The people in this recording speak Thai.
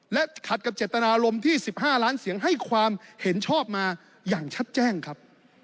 และขัดกับเจตนารมณ์ที่๑๕ล้านเสียงให้ความเห็นชอบมาอย่างชัดแจ้งครับ